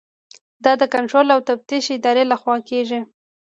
دا د کنټرول او تفتیش ادارې لخوا کیږي.